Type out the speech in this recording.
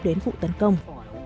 đến vụ tấn công